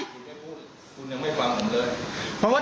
คุณยังไม่ฟังผมเลย